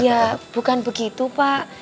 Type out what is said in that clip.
iya bukan begitu pak